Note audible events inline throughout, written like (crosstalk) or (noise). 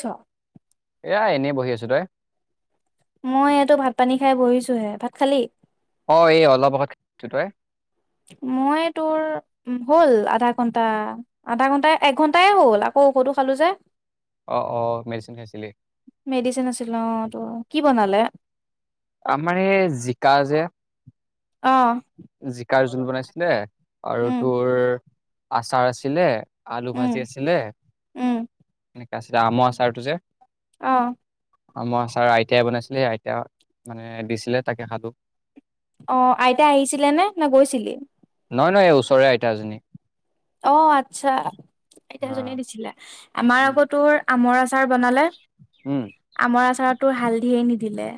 ছ এয়া এনেই বহি আছো তই। মই এই‌টো ভাত পানী খাই বহিছোহে। ভাত খালি? অ এই অলপ আগত খাইছো। তই? মই তোৰ হ'ল আধা ঘন্টা, আধা ঘন্টাই এক ঘন্টাই হ'ল আকৌ। ঔষদো খালো যে অ অ মেডিচিন খাইছিলি মেডিচিন আছিল অ তো কিপ বনালে আমাৰ এই জিকা যে অ জিকাৰ জোল বনাইছিলে আৰু উম তোৰ আচাৰ আছিলে আলু উম ভাজি আছিলে। উম আম আচাৰটো যে। অহ। আমৰ আছাৰ আইতাই বনাইছিলে আইতাই মানে দিছিলে তাকে খালোঁ। অ আইতা আহিছিলে নে নে গৈছিলি? নহয় নহয় এই ওচৰে আইতাজনী। অ আচ্ছা হা আইতাজনীয়ে দিছিলে আমাৰ উম আগৰতো আমৰ আ চাৰ বনালে উম আমৰ আচাৰতো হালধিয়ে নিদিলে।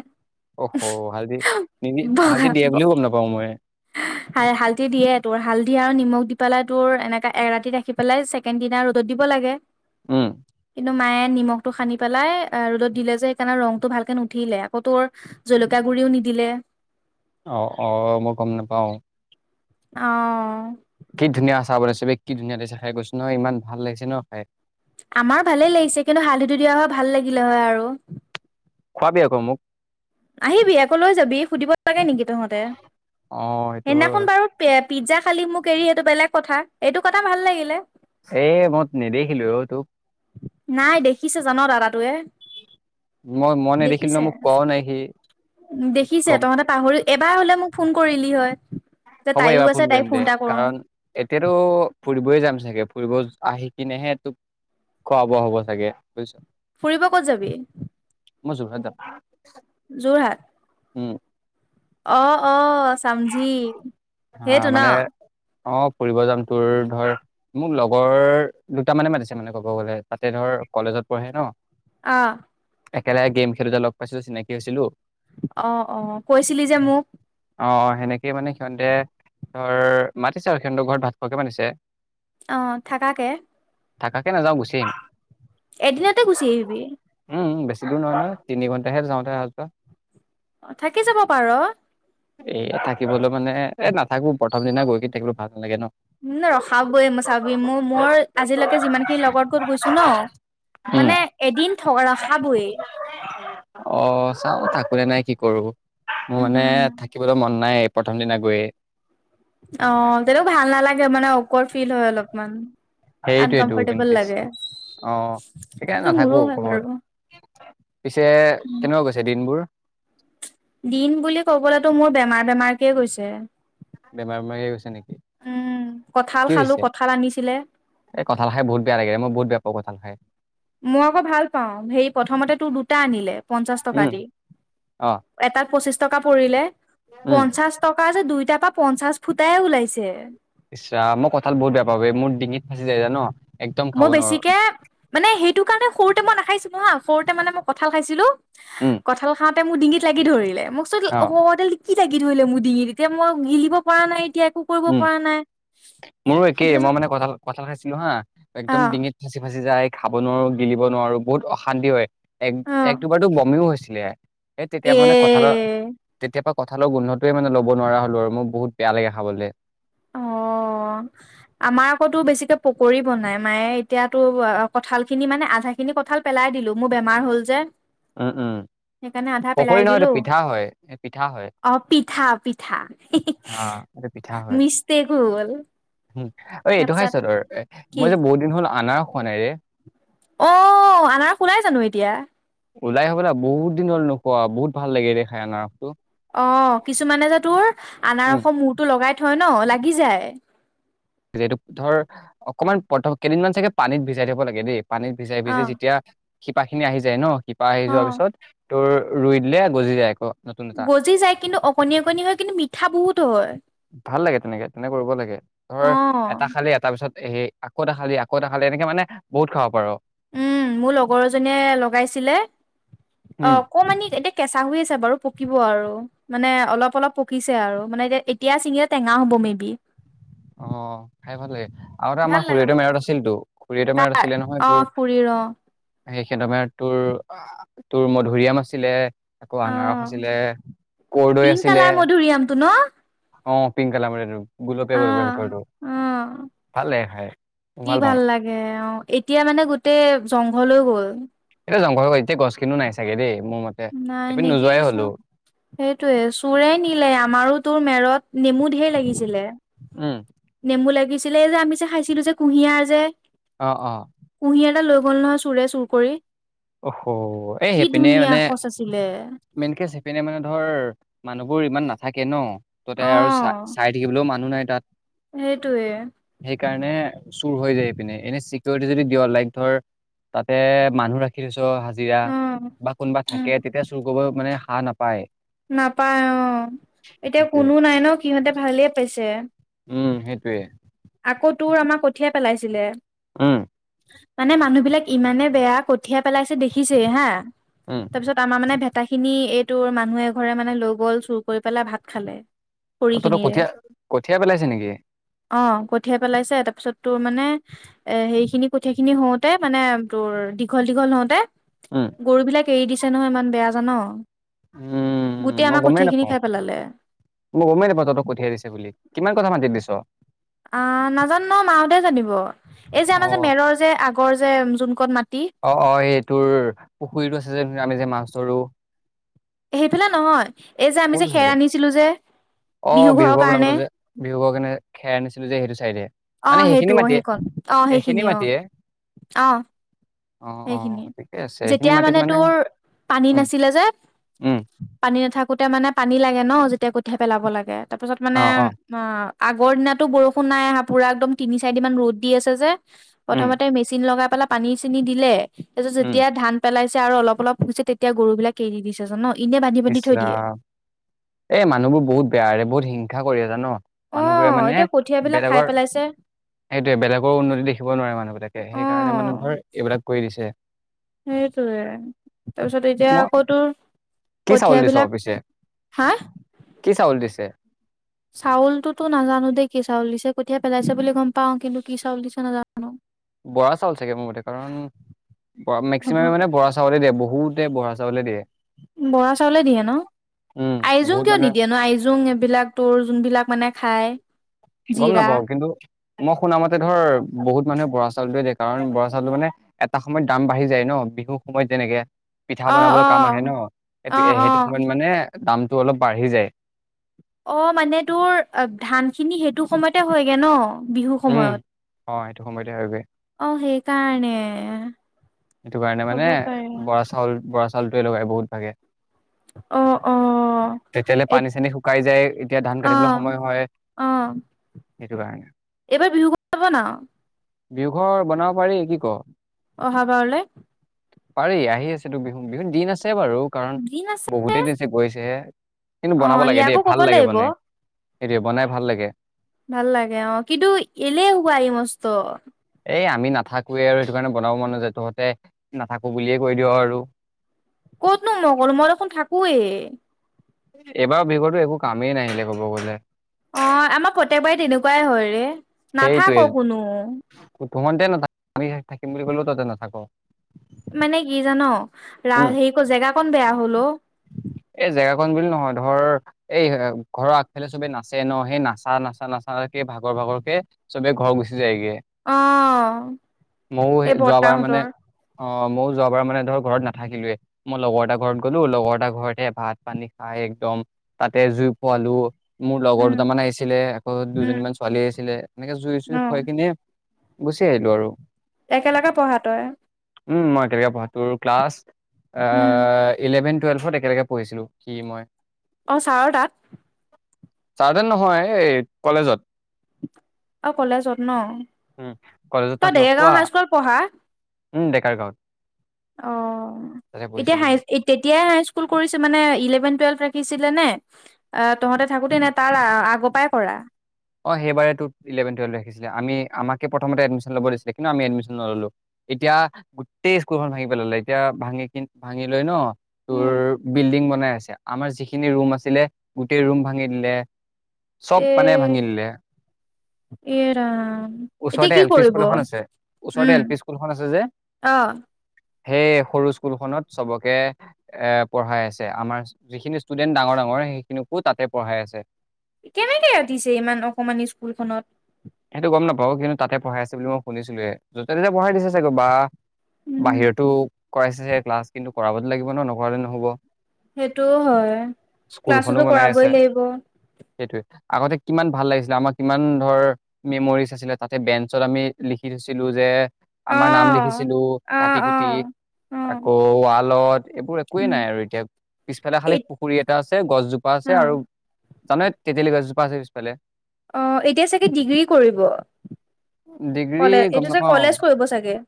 অ'হ হালধি নিদি বগা হালধি দিয়ে বুলিও গম নাপাওঁ মই হালধি দিয়ে তোৰ হালধি আৰু নিমখ দি পেলাই তোৰ এনেকা এৰাতি ৰাখি পেলাই ছেকেণ্ড দিনা ৰ'দত দিব লাগে উম কিন্তু মায়ে নিমখটো সানি পেলাই ৰ'দত দিলে যে সেইকাৰণে ৰংটো ভালকে নুঠিলে আকৌ তোৰ জলকীয়া গুৰিও নিদিলে অ অ মই গম নাপাওঁ অহ কি ধুনীয়া আচাৰ বনাইছে বে কি ধুনীয়া লাগিছে খাই কৈছো নহয় ইমান ভাল লাগিছে ন খাই আমাৰ ভালেই লাগিছে কিন্তু হালধিটো দিয়া হয় ভাল লাগিলে হয় আৰু খোৱাবি আক মোক আহিবি আকৌ লৈ যাবি সুধিব লাগে নেকি তহঁতে অ সেইটো হয় সেইদিনাখন বাৰু পিজ্জা খালি মোক এৰি সেইটো বেলেগ কথা, এইটো কথা ভাল লাগিলে এ মই নেদেখিলোৱে অ তোক নাই দেখিছে জান দাদাটোৱে মই মই নেদেখিলো ন দেখিছে মোক কোৱাও নাই সি দেখিছে গম তহঁতে পাহৰি এবাৰ হলে মোক ফোন কৰিলি হয় যে হ'ব তাইও এইবাৰ আছে ফোন তাইক কৰিম দে এটা কৰো কাৰণ এতিয়াতো ফুৰিবয় যাম চাগে ফুৰিব আহি কিনেহে তোক খোৱা বোৱা হ'ব চাগে বুজিছ ফুৰিব ক'ত যাবি মই যোৰহাট যাম যোৰহাট উম অ অ চামজি হা সেইটো ন মানে অ ফুৰিব যাম তোৰ ধৰ মোক লগৰ দুটামানে মাতিছে মানে ক'ব গ'লে তাতে ধৰ কলেজত পঢ়ে ন আহ একেলগে গেম খেলোতে লগ পাইছিলোঁ চিনাকি হৈছিলোঁ অ অ কৈছিলি যে মোক অ সেনেকেই মানে সিহঁতে ধৰ মাতিছে সিহঁতৰ ঘৰত ভাত খোৱাকে মাতিছে অ থাকাকে থাকাকে নাযাওঁ গুচি আহিম এদিনতে গুচি আহিবি উম বেছি দূৰ নহয় নহয় তিনি ঘণ্টাহে যাওঁতে ৰাস্তা থাকি যাব পাৰ এয়া থাকিবলৈ মানে এ নাথাকো প্ৰথম দিনা গৈ কি থাকিবলে ভাল নালাগে ন ম ন ৰখাবই মই চাবি মোৰ মই আজিলৈকে যিমান খিনি লগৰ ঘৰত গৈছো ন উম, মানে এদিন ৰখাবই অ চাও থাকো নে নাই কি কৰো মোৰ মানে উম থাকিবলে মন নাই প্ৰথম দিনা গৈয়ে অ তেনেও ভাল নালাগে মানে অফৰট ফিল হয় অলপমান সেইটোৱেটো মেইন আনকমফৰ্টেবল কেছ লাগে অ' সেইকাৰণে সেইটো নাথাকো মোৰো হয় ক'ব গ'লে। বাৰু পিছে কেনেকুৱা গৈছে দিনবোৰ দিন বুলি কবলৈতো মোৰ বেমাৰ বেমাৰকে গৈছে। বেমাৰ বেমাৰ কে গৈছে নেকি? উম কঁঠাল কি খালো হৈছে? কঁঠাল আনিছিলে এই কথা লাহে বহুত বেয়া লাগে মই বহুত বেয়া পাওঁ কথ- আল হাই মই আকৌ ভাল পাওঁ হেই প্ৰথমতে তোৰ দুটা আনিলে পঞ্চাশ টকা উম, দি। অ এটাত পঁচিশ টকা পৰিলে উম। পঞ্চাশ টকা যে দুইটাৰ পৰা পঞ্চাশ ফুটাইে ওলাইছে। ইচ্ ৰাম মই কঁঠাল বহুত বেয়া পাওঁ বে, মোৰ ডিঙিত ফাঁচি যায় জা ন। মই বেছিকে মানে সেইটো কাৰণে সৰুতে মই নাখাইছো নহা সৰুতে মানে মই কঁঠাল খাইছিলোঁ। উম, কঁঠাল খাওঁতে মোৰ ডিঙিত লাগি ধৰিলে মোক চোন অ খ খতে লি কি। জাগি ধৰিলে মোৰ ডিঙি তেতিয়া মই গিলিব পৰা নাই এতিয়া,। একো কৰিব উম, পৰা নাই মোৰো একেই তাৰপিছত মই মানে কঁঠাল কঁঠাল খাইছ-। লো হা অ একদম ডিঙিত ফাঁচি ফাঁচি যায় খাব নোৱাৰো গিলিব নোৱাৰো বহুত অশান্তি হয়। এক অ এক দুবাৰতো বমিও হৈছিলে, এই তেতিয়া এ মানে কঁঠালৰ তেতিয়া পা-। কঁঠালৰ গোন্ধটোৱে মানে লব নোৱাৰা হলোঁ আৰু মোৰ বহুত বেয়া লাগে খাবলে। (unintelligible) অ আমাৰ আকৌ বেছিকে পকৰী বনাই মায়ে এতিয়াতো কঁঠাল খিনি মানে আধা। সেই কঁঠাল খিনি কঁঠাল পেলাই দিলো মোৰ বেমাৰ হ'ল যে। উম উম। সেইকাৰণে আধা পেলাই পকৰী দিলো নহয়টো পিঠা হয়, পিঠা হয় অ পিঠা পিঠা অহ। এটো পিঠা হয়। মিছতেক হৈ গ'ল। অ এইটো খাই তাৰপিছত চ তৰ এ কি মই যে বহুত দিন হ'ল আনাৰস খোৱা নাই ৰে। অ আনাৰস ওলাই জানো এতিয়া। ওলাই হ'বলা বহুত দিন হল নোখোৱা বহুত ভাল লাগে ৰে খাই আনাৰসটো। অ কিছুমানে যে তোৰ উম আনাৰস মূৰটো লগাই থয় ন লাগি যায়। যিহেতু ধৰ অকনমান প্ৰথম কেইদিনমান চাগে পানীত ভিজাই থব লাগে দেই। পানীত ভিজাই অ ভিজাই যেতিয়া শিপা খিনি আহি যায় ন শিপা আহি অ যোৱাৰ পিছত-। তোৰ ৰুই দিলে গজি যায় আকৌ। নতুন এটা গজি যায় কিন্তু অকণি অকণনি হয় কিন্তু মিঠা বহুত হয়। ভাল লাগে তেনেকে, তেনেকে কৰিব লাগে ধৰ অ এটা খালি এটা পিছত। পাছত হে আকৌ এটা খালি আক এটা খালি এনেকে মানে বহুত খাব পাৰ। উম মোৰ লগৰ এজনীয়ে লগাইছিলে উম অকমানি এতিয়া কেঁচা হৈ আছে। বাৰু পকিব আৰু মানে অলপ অলপ পকিছে আৰু মানে এ এতিয়া চিঙি টেঙা হ'ব মে বি। অ খাই ভাল লাগে। আৰুতে ভাল আমাৰ লাগে খুৰয়তৰ ভাল মেৰাত লাগে আছিলতো খুৰয়তৰ মেৰাত আছিলে নহয় অ তোৰ। খুৰীৰ অ সেইখেদমে তোৰ তোৰ মধুৰিআম আছিলে। আকৌ আনাৰস অ আছিলে, কৰদৈ পিংক আছিলে। কালাৰ মধুৰিআমটো ন অ পিংক কালাৰৰ এইটো অ গোলপীয়া গোলপীয়া হৈ থকাটো, অ ভাল লাগে খাই। মই কি পাওঁ ভাল লাগে অ এতিয়া মানে গোটেই জংঘল হৈ গ'ল। এতিয়া জংঘল হৈ গ'ল এতিয়া গছ কিনো নাই চাগে দেই। মোৰ মতে নাই এইপিনে নেকি নোযোৱাই হলো চব সেইটোয়ে চোৰে নিলে আমাৰো তোৰ মেৰত। নেমু ঢেৰ লাগিছিলে, উম। নেমু লাগিছিলে যে আমি যে খাইছিলো যে কুঁহিয়াৰ যে। অ অ। কুহিয়াৰ ডাল লৈ গ'ল নহয় চোৰে চুৰ কৰি। অ হ এ কি সেইপিনে ধুনীয়া মানে। সচ আছিলে মেইনকে চেপিনে মানে ধৰ মানুহবোৰ ইমান নাথাকে ন। ততে অ আৰু চাই চাই থাকিবলৈও মানুহ নাই তাত। সেইটোৱে সেইকাৰণে চুৰ হৈ যায় পিনে এনে চিকিউৰিটি যদি দিয় লাইক ধৰ তাতে মানুহ ৰাখ-। হাজিৰা উম বা কোনোবা উম থাকে তেতিয়া চুৰ কৰিব মানে হা নাপ-। নাপায় অঁ। এতিয়া সেইটোৱে কোনো নাই ন সিহঁতে ভালেই পাইছে। উম সেইটোৱে। আকৌ তোৰ আমাৰ কঠিয়াই পেলাইছিলে। উম। মানে মানুহ বিলাক ইমানে বেয়া কঠিয়া পেলাইছে দেখিছেই হাঁ। উম তাৰপিছত আমাৰ মানে-। সতা খিনি এইটোৰ মানুহ এঘৰে মানে লৈ গ'ল চুৰ কৰি পেলাই ভাত খালে। খৰি অ তহঁতৰ খিনিৰে কঠিয়া কঠিয়া পেলাইছে নেকি? অঁ কঠিয়াই পেলাইছে। তাৰপিছত তোৰ মানে এ' সেখিনি-। কঠিয়া খিনি হওঁতে মানে তোৰ দীঘল, দীঘল হওঁতে- উম গৰু বিলাক এৰি দিছে নহয় ইমান বেয়া জান। উম' গোটেই মই আমাৰ গমেই কঠিয়া খিনি নাপাওঁ, খাই পেলালে মই গমেই নাপাওঁ তহঁতৰ কঠিয়াই দিছে বুলি। কিমান ক'থা মাতি দিছ? আঁহ নাজানো নহয় মাহতে জানিব। এই যে আমাৰ যে অ', মেৰৰ যে আগৰ যে যোন কন মাটি- অঁ অঁ এইটোৰ পুখুৰীতটো আছে যে আমি যে মাছ ধৰো। সেইফালে নহয়। এই যে আমি যে খেৰ আনিছিলো যে। অঁ বিহু ঘৰৰ ঘৰ কাৰণে বনাবলৈ যে বিহু ঘৰ পিনে খেৰ আনিছিলো যে সেইটো চাইডে। মানে অঁ সেইটো সেইখিনি অঁ মাটিয়ে, সেইকণ অঁ সেইখিনি সেইখিনিয়ে মাটিয়ে। অঁ। অ', সেইখিনিয়ে। অ', ঠিকে আছে। এইখিনি যেতিয়া মাটিত মানে তোৰ- পানী উম, নাছিলে যে উম, পানী নাথাকোতে মানে- পানী লাগে ন যেতিয়া কঠিয়া পেলাব লাগে ন। তাৰ পিছত মানে অ', অ', - আগৰ দিনা টো বৰষুণ নাই আহা পুৰা একদম তিনি, চাৰিদিন মান ৰ'দ দি আছে যে উম, প্ৰথমতে মেচিন লগাই- পেলাই পানী- চানি দিলে। তাৰপিছত উম। যেতিয়া ধান পেলাই- আৰু অলপ, অলপ পৰিছে তেতিয়া গৰু বিলাক এৰি দিছে জান। এনে বান্ধি বান্ধি ইচ থৈ দিয়ে ৰাম। এ' মানুহবোৰ বহুত বেয়াৰে বহুত হিংসা কৰি আ জান। অ মানুহবোৰে মানে এতিয়া কঠিয়া বিলাক খাই বেলেগৰ- পেলাইছে সেইটোৱে বেলেগৰ উন্নতি দেখিব নোৱাৰে মানুহবিলাকে। অ সেইকাৰণে মানে ধৰ এইবিলাক কৰি দিছে। সেইটোৱে। তাৰপিছত এতিয়া মই আকৌ তোৰ- কি চাউল কঠিয়া দিছ বিলাক পিছে হাঁ কি চাউল দিছে চাউলটো তো নাজানো দেই। কি চাউল দিছে কঠিয়ীয়া পেলাইছে বুলি গম পাওঁ কিন্তু কি চাউল দিছে নাজানো। বৰা চাউল চাগে মোৰতে। কাৰণ হ'ব মেক্সিমাম মানে পাৰে বৰা চাউলে দিয়ে বহুতে- বৰা চাউলে দিয়ে বৰা চাউলে দিয়ে। উম আইজোং বহুত কিয় মানুহে নিদিয়ে ন আইজোং এইবিলাক তোৰ যোনবিলাক মানে খাই? গম নাপাওঁ। কিন্তু মই শুনাৰ মতে ধৰ বহুত মানুহে বৰা চাউলটোৱে দেখাই। কাৰণ বৰা চাউলটো মানে এটা সময়ত দাম বাঢ়ি যায় ন বিহুৰ সময়ত যেনেকে- পিঠা অ বনাবলৈ অ কাম আহে ন' অ অ সেইটো সময়ত মানে- দামতটো অলপ বাঢ়ি যায়। অঁ মানে তোৰ অঁ ধান খিনি সেইটো সময়তে হয়গে ন। বিহু উম অ সময়ত সেইটো সময়তে হয়গৈ অঁ সেই কাৰণে। সেইটো কাৰণে মানে বৰা চাউল বৰা চাউলটোৱে লগাই বহুত ভাগে। অ অ তেতিয়ালে এ পানী- চানী শুকাই যায় তেতিয়া ধান কাটিবলৈ সময় হয়। অঁ এইটো কাৰণে। তুমি বিহু ঘৰ নবনোৱা? বিহু ঘৰ বনাব পাৰি কি কওঁ? অহা বাৰলে। পাৰি আহি আছে তো। বিহু দিন আছে বাৰু কাৰণ দিন আছে বহুতে দিছে গৈছে। কিন্তু অ বনাব লাগে দেই ইয়াকো ক'ব ভাল লাগে লাগিব বনাই সেইটোৱেই বনাই ভাল লাগে। ভাল লাগে অঁ কিন্তু এলেহুৱা ই মস্ত। এই আমি নাথাকোৱেই আৰু সেইটো কাৰণে বনাব মানুহ যে তহঁতে নাথাকো বুলিয়ে কৈ দিওঁ আৰু। ক'তনো মগল মই দেখোন থাকোৱেই। এইবাৰ বিষৰতো একো কামেই নাহিলে ক'ব গলে। অ আমাৰ প্ৰতয়েকবাৰী তেনেকুৱাই হয় ৰে, নাথাক কোনো। ভোমতে নাথাক আমি থাকিম বুলি কলেও তাতে নাথাকো। মানে কি জান, ৰা হেৰি জেগা কন বেয়া হল অ। উ। এই জেগাখনন বুলি নহয়, ধৰ এই ঘৰৰ আগফালে চবেই নাচে ন সেই নাচা নাচা নাচা। কে ভাগৰ ভাগৰ কে চবে ঘৰ গুচি যায়গে। অ ময়ো সেই এই যোৱাবাৰ মানে। বৰ্তাহঁতৰ অ ময়ো যোৱাবাৰ মানে ধৰ ঘৰত নাথাকিলোে মই লগৰ এটা ঘৰত গলো লগৰ। এটা ঘৰতে ভাত পানী খাই একদম, তাতে জুই পোৱালো। মোৰ লগৰ উম দুটামান আহিছিলে আকৌ উম দুজনীমান ছোৱালী আহিছিলে এনেকে জুই জুই অ ভ কিনে। গুচি আহিলো আৰু। একেলগে পঢ়া তই। উম মই কেলগে পঢ়া ক্লাছ, উম ইলেভেন। টুৱেলভত একেলগে পঢ়িছিলো সি মই। অ ছাৰৰ তাত। চাহতেন নহয় এই কলেজত। অ কলেজত ন উম, কলেজত তাক তই লগ ডেৰগাঁও পোৱা হাইস্কুল পঢ়া। উম ডেকাৰ গাঁৱত। অ, তাতে এতিয়া পঢ়িছিলো হাই মই তেতিয়াই হ। স্কুল কৰি মানেলেভেন টুৱেল ৰাখিছিলে নে তহঁতে থাকোতে নে তাৰ আগৰ পৰাাই কৰা। অ সেইবাৰেলেভেন টুৱেলভ ৰাখিছিলে আমি আমাক প্ৰমতে এডমিশন লবছিলে কিন্তু আমি এডমিনলো। এতিয়া গোটেই স্কুলখন ভাঙি পেললে এতিয়া ভাঙি কিন ভাঙি লৈ ন। উম তোৰ বিল্ডিং বনাই আছে আমাৰ যিখিনি ৰুম আছিলে গোটেই ৰুম ভাঙি দিলে। চব এ পানে ভাঙিলে। এৰাম এতিয়া কি এল পি কৰিব, স্কুল এখন আছে ওচৰতে এল পি স্কুলখন আছে যে উম। আহ। সেই সৰু স্কুলখনত চবকে, এ পঢ়াই আছে আমাৰ যিখিনি ষ্টুডেন্ট ডাঙৰ ডাঙৰ। সেইখিনিকো তাতে পঢ়াই আছে। কেনেকে উতিছে ইমান অকমান স্কুলখনত। সেইটো গম নাপাও কিন্তু তাতে পঢ়াই আছে বুলি মই শুনিছিলোে য'তে ততে পঢ়াই দিছে চাগে বা। উম বাহিৰতো, কৰাইছে স ক্লাছ কিন্তু কৰাবতো লাগিব ন নকৰালে নহব। সেইটোও হয় স্কুলখনো ক্লাছো বনাই আছে কৰাবই লাগিব। সেইটোৱে আগতে কিমান ভাল লাগিছিলে আমাৰ কিমান ধৰ। মেমৰিজ আছিলে তাতে বেঞ্চত আমি লিখি থৈছিলো যে। আমাৰ নাম লিখিছিলো, অ কাটি অ কুটি অ আকৌ ৱালত। এইবোৰ একোৱেই উম নাই আৰু এতিয়া, পিছফালে খালে এ পুখুৰী এটা আছে গছজোপা আছে অ আৰু। তান তেতেলি গছজোপা আাবিছ পেললে। অ এতিয়া চাগে ডিগ্ৰী কৰিব। ডিগ্ৰী কলেজ গম এইটো যে নাপাওঁ কলেজ কৰিব চাগে।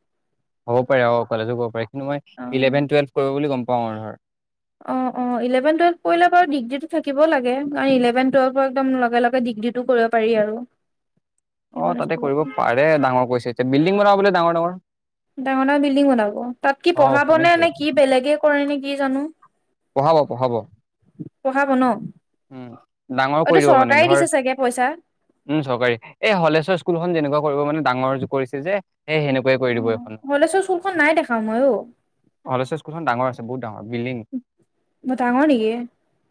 হ'ব পাৰে অ কলেজো ক পাৰে কিন্তু, অ মই ইলেভেন টুৱেল্ভ কৰিব বুলি গম পাওঁ আৰু ধৰ। অ অ ইলেভেন টুৱেলভ কৰিলে বাৰু ডিগ্ৰী টো থাকও লাগে কাৰণ ইলেভেন টুৱেল্ভৰ একমিগ্ৰীটো কৰিব। পাৰি আৰু। অ সেইখন তাতে কৰিব স্কুলতে পাৰে ডাঙৰ কৈছে এতিয়া বিল্ডিং বনাব ব ডাঙৰ ডাঙৰ। ডাঙৰ ডাঙৰ বিল্ডিং বনাব, তাত কি অ পঢ়াব নে শুনিছোৱে নে কি বেলেগে কৰে নে কি জানো। পঢ়াব পঢ়াব। পঢ়াব ন। উম ডাঙৰ এইটো কৰি দিব মানে চৰকাৰে ধৰ। দিছে চাগে পইচা উম চৰকাৰী, এই হলেশ্বৰ স্কুলখন যেনেকুৱা কৰিব মানে ডাঙৰ য কৰিছিল যে। সেই সেনেকুৱাই কৰি দিব উম। এইখন হলেচৰ স্কুলখন নাই দেখাও মই অ অলেচ স্কুল খন ডাঙৰ আছে বহুত ডাঙৰ বিল্ডিং। ডাঙৰ নেকি?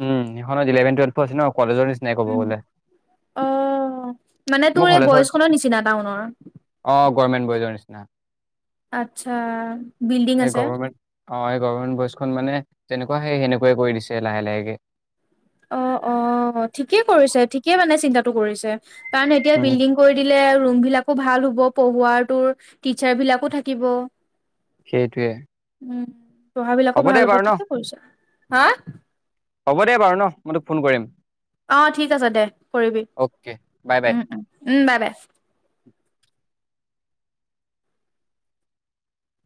উম সেইখনত ইলেভেন টুৱেল্ভৰ আছে ন কলেজৰ নিচিনাই ক ব গ'লে। অ মানে তোৰ মোৰ এই কলেজত বয়স্কনৰ নিচিনা টাউনৰ অ গৰ্মেন্ট ব নিছিনা। আচ্ছা বিল্ডিং এই আছে গৰ্মেণ্ট অ খন মানে তেনেকুৱা সে সেনেকুৱে কৰি দিছে লাহে লাহেকে। অ অ ঠিকেই কৰিছে ঠিকে মানে চিন্তাটো কৰিছে কাৰণ এতিয়া উম বিলডিং কৰি দিলে আৰু ৰুম বিলাকো ভাল হ'ব পঢ়োৱাৰ তৰ টিচাৰ বিলাকো থাকিব সেইটোৱে উম পঢ়া বিলাকো দে ভাল হ'ব বাৰু ন ঠিকে কৰিছে হা হ'ব দে বাৰু ন মই তোক ফোন কৰিম অ ঠিক আছে দে কৰিবি অ'কে বাই বাই উম উম উম বাই ব